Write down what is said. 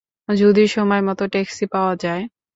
যদি সময়মতো টেক্সি পাওয়া যায়!